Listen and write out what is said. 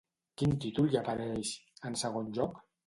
Quin títol hi apareix, en segon lloc?